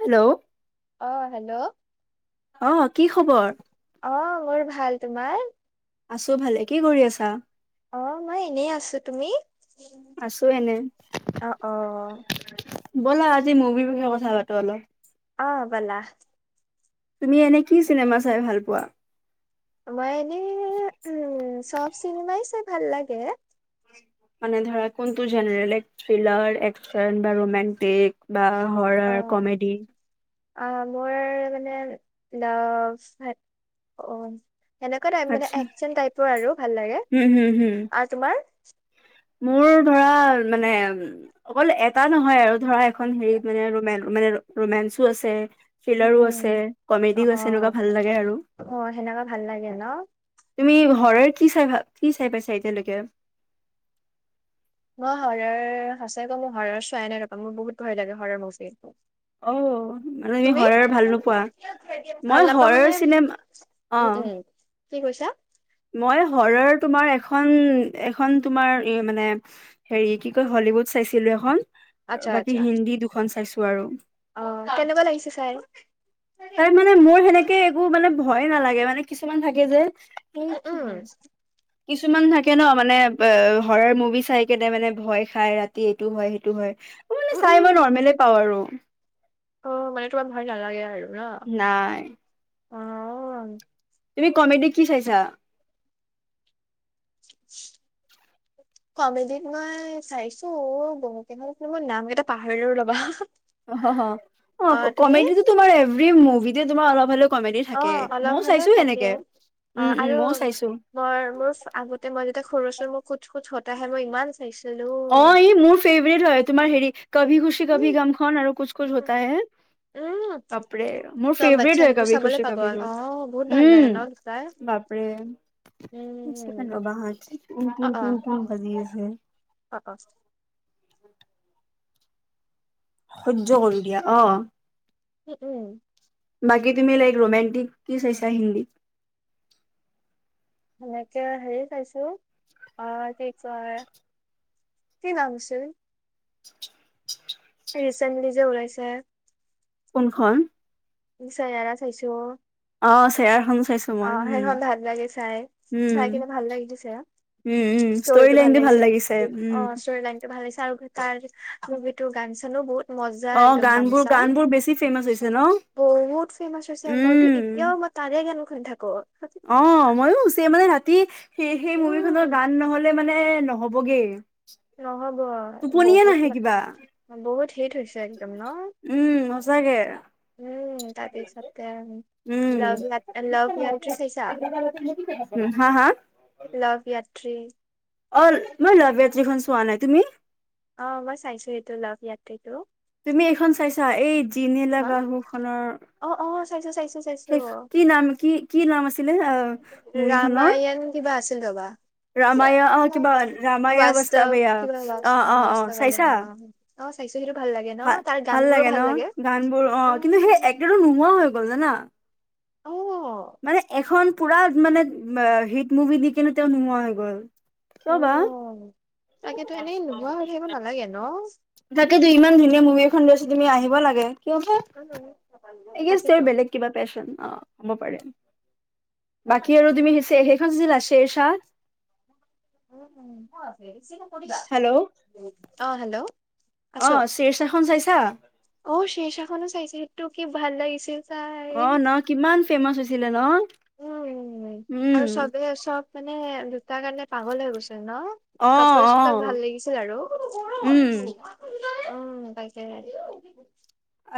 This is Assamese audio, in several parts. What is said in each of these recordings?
হেল্ল' অ', হেল্ল'। অ', কি খবৰ? অ', মোৰ ভাল, তোমাৰ? আছো ভালে। কি কৰি আছা? অ', মই এনেই আছো। তুমি? আছো এনে অ অ। ব'লা, আজি মুভিৰ বিষয়ে কথা পাতো অলপ। অ', বলা। তুমি এনে কি চিনেমা চাই ভাল পোৱা? মই এনে [inaudible] উম, চব চিনেমাই চাই ভাল লাগে। মানে ধৰা কোনটো জেনেৰেল এক্ট, থ্ৰিলাৰ, একশ্যন বা ৰোমাণ্টিক? বা হ'ৰৰ, অ কমেডি। অ', মোৰ মানে ব্লাউজ অ'। হেনেকুৱা টাইপ, মানে আচ্ছা একচন টাইপৰ আৰু ভাল লাগে। হুম হুম হুম আৰু তোমাৰ? [inaudible] মোৰ ধৰা মানে, অকল এটা নহয় আৰু ধৰা এখন হেৰিত মানে ৰোমেন মানে ৰোমেঞ্চো আছে। উম থ্ৰিলাৰো উম আছে, অ কমেডিও অ আছে, এনেকুৱা ভাল লাগে আৰু অ সেনেকুৱা ভাল লাগে ন তুমি হ'ৰৰ কি চাই ভা কি চাই পাইছা এতিয়ালৈকে? মই হ'ৰৰ, সঁচাই কম মই হ'ৰৰ চোৱাই নাই ৰ'বা, মোৰ বহুত ভয় লাগে হ'ৰৰ মুভি। অ', মানে তুমি হ'ৰৰ ভাল নোপোৱা? ভাল মই নাপা হ'ৰৰ মানে চিনেমা উম অ। উম কি কৈছা? মই হৰৰ তোমাৰ এখন, এখন তোমাৰ মানে হেৰি কি কয় হলিউড চাইছিলো এখন। আৰু বাকী হিন্দী দুখন চাইছো। তো আৰু। অহ, কেনেকুৱা লাগিছে চাই। তাই মানে মোৰ সেনেকে একো মানে ভয় নালাগে মানে কিছুমান থাকে যে। এই কি উম উম। হৈছে কিছুমান থাকে ন' মানে অহ, হ'ৰৰ মুভি চাই কেনে মানে ভয় খাই ৰাতি এইটো হয় সেইটো হয়। মানে চাই‌ মই নৰৰ্মেল পাওঁ আৰু। অহ মানে তোমাৰ ভয় নালাগে আৰু। নাই। হয়। তুমি কমেডি কি চাইছা? কমেডিত মই চাইছো বহুকেইখন মই নামকেইটা পাহৰিলো ৰ'বা। অহ অ অহ তুমি কমেডিটো তোমাৰ এভৰি মুভি। যি তোমাৰ অলপ হলেও কমেডি থাকে অহ অলপ মইও হলেও চাইছো থাকে সেনেকে উম অহ উম আৰু মইও চাইছো মই মোৰ আগতে মই যেতিয়া সৰু আছিলো মোৰ কুচ কুচ হতা হে মই ইমান চাইছিলো অহ ই মোৰ ফেভৰেট হয় তোমাৰ হেৰি, কভি খুচি কভি কি উম কভিগমখন আৰু কুচ কুচ হটা হে উম বাপৰে মোৰ চব ফেভৰেট বাচ্ছা হয়ে সেইটো কভি চাবলে খুচি পাগল অ কভিগম বহুত ভাল লাগে উম ন চাই বাপৰে। উম [unintelligible] দি আছে। অহ‌ অহ। [unintelligible] সহ্য কৰি দিয়া অহ। উম উম। বাকী তুমি লাইক ৰোমেণ্টিক কি চাইছা হিন্দী। সেনেকে হেৰি খাইছো অহ কি কয় কি নাম আছিল। ৰিচেণ্টলি যে ওলাইছে। কোনখন। নি চাই এৰা চাইছো। অ চেয়াৰখন চাইছো মই অহ উম সেইখন ভাল লাগে চাই উম চাই কিনে ভাল লাগি দিছে উম উম ষ্টৰি ষ্টৰিটো ভাল লাইনটো লাগিছে উম অহ ষ্টৰি লাইনটো ভাল লাগিছে। তাৰ তাৰ মুভিটো গান চালো বহুত। মজা অহ একদম গান গানবোৰ চান গানবোৰ বেছি ফেমাচ হৈছে ন? বহুত ফেমাচ হৈছে মইতো এতিয়াও মই তাৰে গান। শুই থাকোঁ। অহ মইয়ো ছে মানে ৰাতি সেই সেই মুভি খনৰ উম গান নহলে মানে ন হ'বগে নহব বহুত কিবা ম বহুত থটছ একদম ন উম সঁচাকে উম তাৰপিছতে উম লভ লভয়াত্ৰী চাইছা হা হা লভয়াত্ৰী অ' মই লাইব্ৰেটীখন চোৱা। নাই তুমি? অ' মই চাইছো এইটো লাভয়াত্ৰ্ৰীটো। তুমি এইখন চাইছা এই জিনলা এখন। গাহু খনৰ, অ অ চাইছো চাইছো চাইছো শেই কি নাম কি কি নাম আছিলে আহ মুভিখনৰ? ছিল বাবা ৰামায়া অ কিবা ৰামায়া বাস্তৱ বাস্তাৱায়া কি বুলি অ অ অ অবাস্তৱ চাইছা অ' চাইছো সেইটো ভাল লাগে ন? তাৰ গান বোৰো ভাল লাগে। বোৰ অ' কিন্তু সেই উম এক্টো নোহোৱা হৈ গ'ল জানা। অ মানে এখন পুৰা মানে হিট মুভি দি কনে তেওঁ নোহোৱা হৈ গ'ল। অ কিয় বা, তাকেতো এনেই নোহোৱা হৈ থাকিব নালাগে ন। তাকে ত' ইমান ধুনীয়া মুভি। [unintelligible] তুমি আহিব লাগে। কিয় বা, তাকেতো তেওঁৰ বেলেগ কিবা পেশচন অ'। কব পাৰে, [unintelligible] [inaudible] হেল্ল' অ হেল্ল'! অ আছ' শ্বেৰশাহখন চাইছা অ' শীৰ্ষা খনো চাইছে টো কি ভাল লাগিছিল। চাই অ ন কিমান ফেমাচ হৈছিলে ন উম আৰু উম! চবে চব মানে তাৰ কাৰণে পাগল হৈ গৈছিল ন অ কাপোৰ অ চোতাক ভাল লাগিছিল আৰু উম উম কাই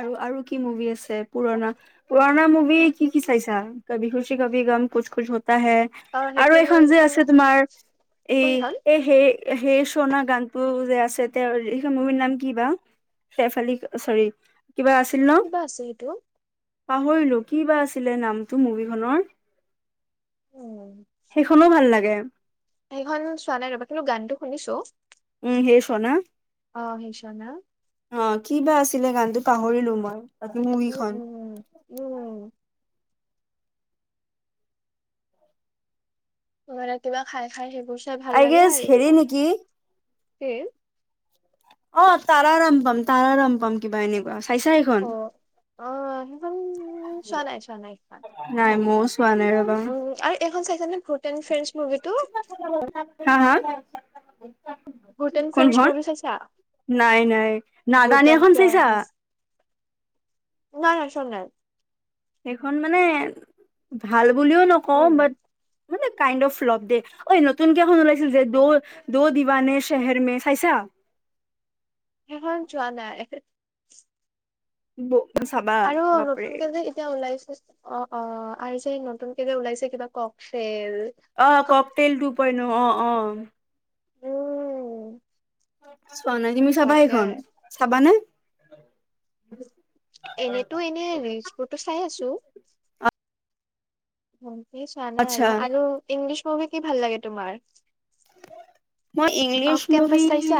আৰু আৰু কি মুভি আছে? পুৰণা পুৰণা মু ক কি কি চাইছা কাভি খুচি কভি গম, কু আহে অ আৰু সেইটো এখন যে আছে মই তোমাৰ এই সেইটো মই কোনখন এই সেই সেই চনা গানটো যে আছে তেওঁ স মুভিৰ নাম কি বা শেফলি চৰি কিবা আছিল ন কিবা আছে সেইটো পাহৰিলো কি বা আছিল। ছিলে নামটো মুভিখনৰ উম সেইখনো ভাল লাগে। [inaudible] সেইখন চোৱা নাই ৰবা কিন্তু গানতটো শুনিছো। উম সেই শোনা অ সেইচনা অ ক বা আছিলে গানতো পাহৰিলো মই তাকে মুভি খ উম উম উম তুমি কিবা খাই খাই স আই গেছ হেৰি নেকি? হে! অ তাৰা ৰাম পাম তাৰা ৰাম পাম কিবা এনেকুৱা আ অ অ চানাই চ নাইফ নাই মইও চোৱা নাই ৰবা উম আৰু এইখন চাইছানে। হটন ফ্ৰেঞ্চ মভি [inaudible] ভূত এণ্ড ফ্ৰেণ্ডছ কোনখন মুভি চাইছা নাই নাই ভূত নাজানি এণ্ড এখন চাইছা। ফ্ৰেণ্ডছ নাই নাই [unintelligible] সেইখন মানে, ভাল বুলিও নকওঁ উম বাত্ মানে কাইণ্ড অফ ফ্লপ দে ঐ নতুনকে এখন ওলাইছিল যে দ' দ' দিৱানে চেহেৰ মে চাইছা? সেইখন চোৱা নাই। ব আৰু নতুনকে যে এতিয়া ওলাইছে অ অ আৰু যে নতুন কে যে ওলাইছে কিবা ককটেল অ ককটেল তো পইন্ট অ অঁ অঁ উম চোৱা নাই তুমি চাবা তাকে সেইখন, চাবানে? [inaudible] এনেতো এনে ৰিলচ্ বোৰটো চাই আছো টো [inaudible] অঁ এই চোৱা আচ্ছা নাই [unintelligible] আৰু ইংলি মুভি কি ভাল লাগে তোমাৰ? মই ইংলিছ অফ কেম্পাচ মুভি, চাইছা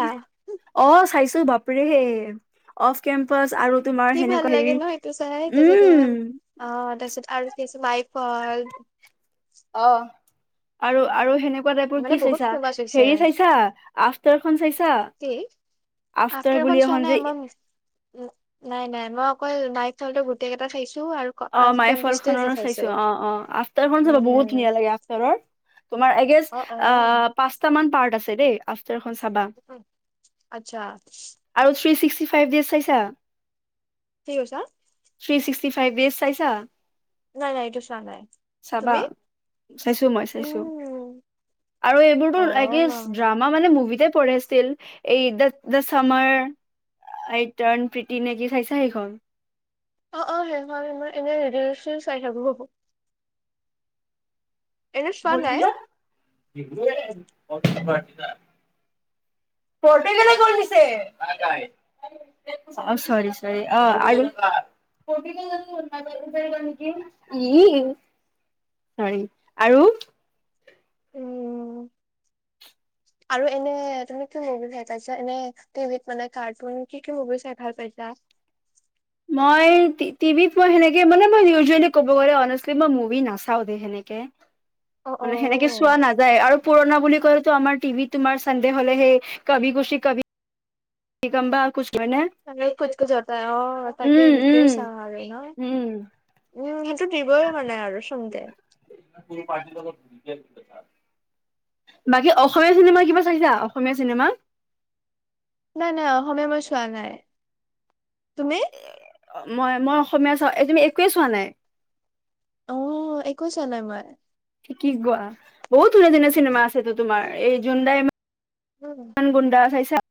অঁ চাইছোঁ বাপৰে বাপৰে অফ কেম্পাচ আৰু তোমাৰ কি ভাল সেনেকুৱা লাগে হেৰি ন সেইটো চাই তাৰপাছত উম অ তাৰপিছত আৰু কি আছে মাই [unintelligible] অঁ আৰু আৰু সেনে কুৱা টাইপৰ মানে কি বহুত চাইছা ফেমাচ হৈছে হেৰি চাইছা আফতাৰ খন চাইছা? কি আফটাৰ বুলি আফটাৰখন চোৱা এখন যে নাই মই, নাই নাই মই অকল [unintelligible] গোটেইকেইটা চাইছোঁ অ মাইফল খনৰো চাইছো অ অ আফটাৰখন চাইছোঁ বহুত উম ধুনীয়া লাগে আফটাৰৰ তোমাৰ এগেচ অ অ পাঁচটা মান পাৰ আছে দে আফ আফটাৰখন চাবা আচ্ছা আৰু চি চিং ফিফটি ফাইভ ডেইচ চাইছা? কি কৈছা? ফিফ্টী ফাইভ চাইছা? [inaudible] নাই নাই এইটো চোৱা নাই চাবা। তুমি চাইছোঁ মই চাইছোঁ উম আৰু এইবোৰতো অ আই গেচ্ একে ড্ৰামা মানে মুভিতে পঢ়ছিল এই দা দা চামাৰ আই ট্ৰাণ প্ৰীতি নেকি চাইছা সেইখন? অ অ সেইখন সেইখন এনেই ৰিলচ্' চিলচ্ চাই থাকো, হ'ব এনে চোৱা নাই? গ'লদিনত [inaudible] পৰ্ছে অ' চৰি চৰি অ' আৰু ই চৰি আৰু উম। আৰু এনে তুমি কি মুভি চাই পাইছা? এনে টিভিত মানে কাৰ্টুন কি, কি মুভি চাই ভাল পাইছা? মই টিভিত মই সেনেকে মানে মই ইউজেলি ক'ব গ'লে মই অনেষ্টলী মুভি নাচাওঁ দেই সেনেকে। অ মানে সেনেকে অ চোৱা নাযায়, আৰু পুৰণা বুলি ক'লেতো আমাৰ টিভিত তোমাৰ চানডে হ'লে হেই কভি খুছি কভি [unintelligible] কোচ কোচ হতা হে অ', তাকে উম হেইটোয়ে উম চাওঁ আৰু ন। উম [unintelligible] দিবই মানে আৰু চান দে। বাকী অসমীয়া চিনেমা কিবা চাইছা? অসমীয়া চিনেমা? নাই, নাই অসমীয়া মই চোৱা নাই। তুমি? মই, মই অসমীয়া চাওঁ, এই তুমি একোৱে চোৱা নাই? অ', একো চোৱা নাই মই। কি কোৱা? বহুত ধুনীয়া, ধুনীয়া চিনেমা আছেতো তোমাৰ এই জোনদা‌ ইমা উম মান গুডা চাইছা?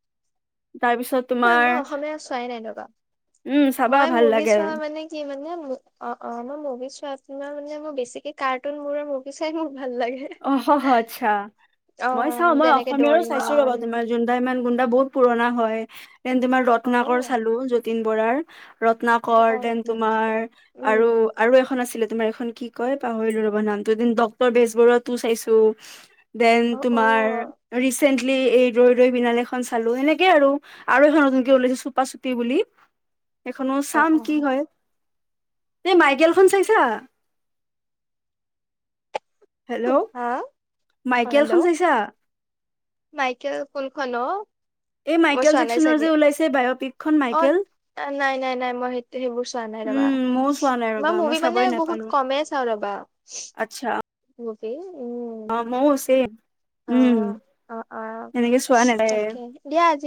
তাৰপিছত তোমাৰ মই অসমীয়া চোৱাই নাই ৰ'বা, উম চাবা মই ভাল মুভি লাগে চোৱা মানে কি মানে মু-অ', অ', মই মুভি চোৱা তোমাৰ মানে মই বেছিকে কাৰ্টুনবোৰৰ মুভি চাই ভাল লাগে অ', আতচ্ছা অ মই চাওঁ, মই যেনেকে অসমীয়াৰো চাইছোঁ ৰ'বা দৰিমন তোমাৰ জোনন্দা ইমান গুণ্ডা বহুত পুৰণা হয়। [inaudible] ডেন, তোমাৰ অ ৰত্নাকৰ চালো। যতীন বৰাৰ অ ৰত্নাকৰ, অ ডেন তোমাৰ আৰু, উম আৰু এখন আছিলে তোমাৰ এইখ খন কি কয়! পাহৰিলো ৰবা নামটো এদিন, ডক্টৰ বেজবৰুৱা তো চাইছোঁ। ডেন অ অ তোমাৰ, ৰিচেণ্ট লি এই ৰৈ, ৰৈ বিনালেখন চালোঁ। এনেকে আৰু। আৰু এখন নতুনকে ওলাইছে চুপা চুপি বুলি! এইখনো অ অ চাম কি হয়! এই মাইকেলখন চাইছা? হেল্ল'! হা অ মাইকেলখন হেল্ল' চাইছা? মাইকেল কোনখন অ'? এই মই মাইকেল চোৱা নাই জেকচনৰ যে চাগে। ওলাইছে বায়'পিকখন অ' মাইকেল নাই, নাই, নাই। মই সেইত-সেইবোৰ চোৱা নাই ৰবা। উম, ময়ো চোৱা নাই মই ৰ'বা মুভি মানে চাবই বহুত নাপালো। কমেই চাওঁ ৰবা। আচ্ছা গ' কি অ' ময়ো ছেম অ উম অ অ এনেকে চোৱা ন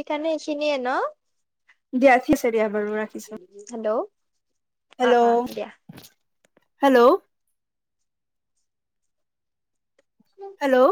তানে চিনিয়ে ন দিয়া থঠিছে দিয়া বাৰু ৰাখিছো হেল্ল' অ অ হেল্ল' দিয়া হেল্ল' হেল্ল'